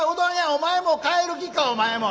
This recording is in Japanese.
お前も帰る気かお前も。